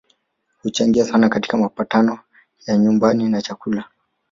Huchangia sana katika mapato ya nyumbani na chakula